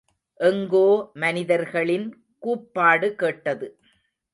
எங்கோ, மனிதர்களின் கூப்பாடு கேட்டது.